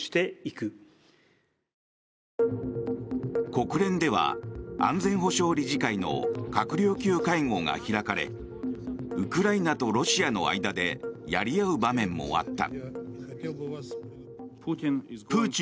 国連では安全保障理事会の閣僚級会合が開かれウクライナとロシアの間でやり合う場面もあった。